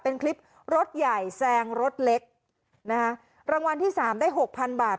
เป็นคลิปรถใหญ่แซงรถเล็กนะคะรางวัลที่สามได้หกพันบาท